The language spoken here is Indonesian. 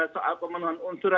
soal pemenuhan unsur